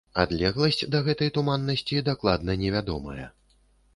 Адлегласць да гэтай туманнасці дакладна не вядомая.